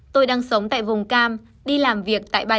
tôi đang sống tại vùng cam đi làm việc tại ba